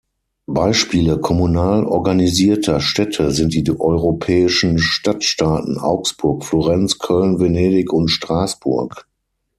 Beispiele kommunal organisierter Städte sind die europäischen Stadtstaaten Augsburg, Florenz, Köln, Venedig und Straßburg.